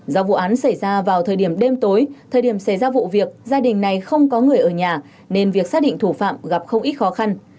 do vụ án xảy ra vào thời điểm đêm tối thời điểm xảy ra vụ việc gia đình này không có người ở nhà nên việc xác định thủ phạm gặp không ít khó khăn